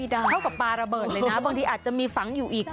เท่ากับปลาระเบิดเลยนะบางทีอาจจะมีฝังอยู่อีก